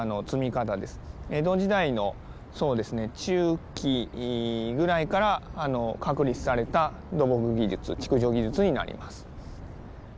江戸時代のそうですね中期ぐらいから確立された土木技術築城技術になります。